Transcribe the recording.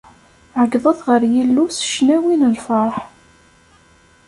Ɛeyyḍet ɣer Yillu s ccnawi n lferḥ!